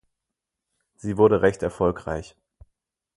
Sie wurde recht erfolgreich.